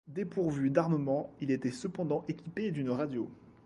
Dépourvu d'armement, il était cependant équipé d'une radio.